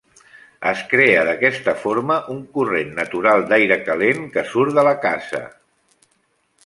Es crea d'aquesta forma un corrent natural d'aire calent que surt de la casa.